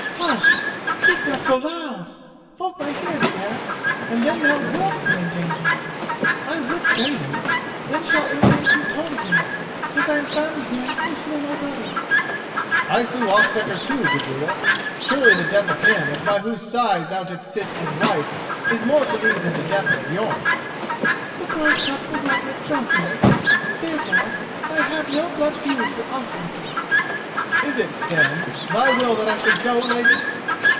"Hush! Speak not so loud! Folk may hear thee, Eric, and then thou wilt be in danger—I would say that, then shall ill things be told of me, because I am found with him who slew my brother?" "I slew Ospakar too, Gudruda. Surely the death of him by whose side thou didst sit as wife is more to thee than the death of Björn?" "The bride cup was not yet drunk, Eric; therefore I have no blood feud for Ospakar." "Is it, then, thy will that I should go, lady?"